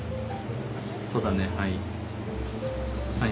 そうだねはい。